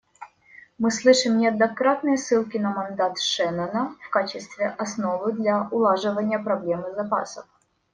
Мы слышим неоднократные ссылки на мандат Шеннона в качестве основы для улаживания проблемы запасов.